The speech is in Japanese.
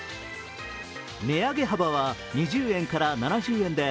値上げ幅は２０円から７０円で